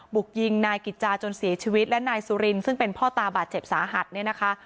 บุกยิงนายกิจจาจนเสียชีวิตและนายสุรินซึ่งเป็นพ่อตาบาดเจ็บสาหัสเนี่ยนะคะ